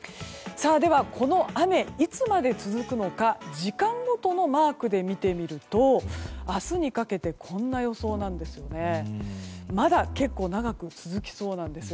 では、この雨いつまで続くのか時間ごとのマークで見てみると明日にかけてこんな予想なんですね。まだ、結構長く続きそうなんです。